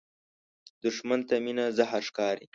دښمن ته مینه زهر ښکاري